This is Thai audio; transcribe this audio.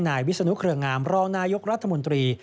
นายวิสุนุทรคุยงามรองนายกรรมนุนตรี